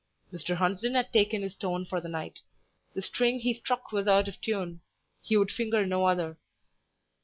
Mr. Hunsden had taken his tone for the night; the string he struck was out of tune, he would finger no other.